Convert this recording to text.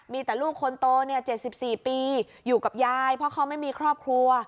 มีแต่ลูกคนโต๗๔ปีอยู่กับยายเพราะเขาไม่มีครอบครัว